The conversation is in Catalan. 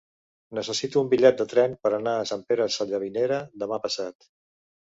Necessito un bitllet de tren per anar a Sant Pere Sallavinera demà passat.